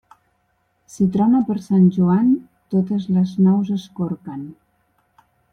Si trona per Sant Joan, totes les nous es corquen.